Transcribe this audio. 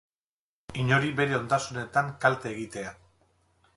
Inori bere ondasunetan kalte egitea.